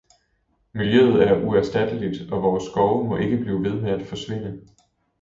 Miljøet er uerstatteligt, og vores skove må ikke blive ved med at forsvinde.